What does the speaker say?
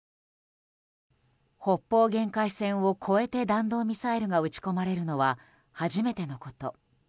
北方限界線を越えて弾道ミサイルが撃ち込まれるのは初めてのこと。